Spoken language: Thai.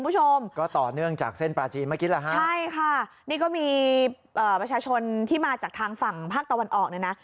ใช่ค่ะนี่ก็มีประชาชนที่มาจากทางฝั่งภาคตะวันออกนะฮะ